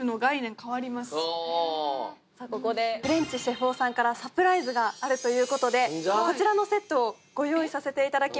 さぁここでフレンチシェフ男さんからサプライズがあるということでこちらのセットをご用意させていただきます。